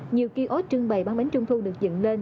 nhiều kỳ ối trưng bày bán bánh trung thu được dựng lên